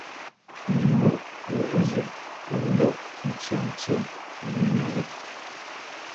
Mbǔʼ mά zʉʼ pó ndóʼ ntīēntíé wú nά ā lά.